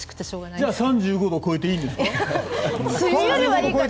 じゃあ３５度超えていいんですか？